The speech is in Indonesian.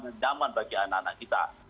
dan aman bagi anak anak kita